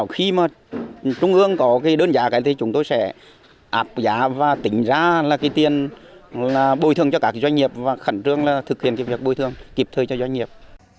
khi mà trung ương có đơn giá thì chúng tôi sẽ áp giá và tính ra tiền bồi thường cho các doanh nghiệp và khẩn trương thực hiện việc bồi thường kịp thời cho doanh nghiệp